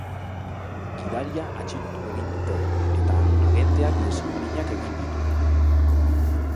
Gidaria atxilotu egin dute, eta agenteak lesio arinak egin ditu.